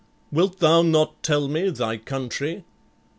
"Wilt thou not tell me thy country?"